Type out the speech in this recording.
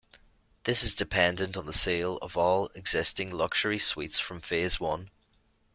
This is dependent on the sale of all existing luxury suites from phase one.